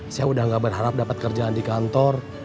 saya udah gak berharap dapat kerjaan di kantor